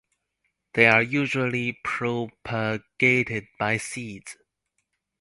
They are usually propagated by seeds.